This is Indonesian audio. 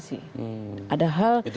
kita harus apresiasi